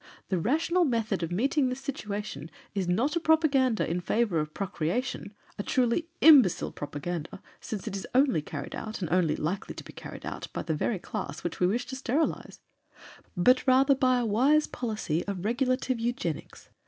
The rational method of meeting this situation is not a propaganda in favor of procreation a truly imbecile propaganda, since it is only carried out and only likely to be carried out, by the very class which we wish to sterilize but rather by a wise policy of regulative eugenics.